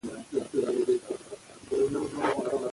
ملالۍ به بیا ناره کړې وي.